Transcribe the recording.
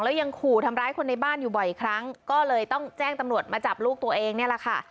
แล้วยังขู่ทำร้ายคนในบ้านอยู่บ่อยครั้งก็เลยต้องแจ้งตำรวจมาจับลูกตัวเองนี่แหละค่ะ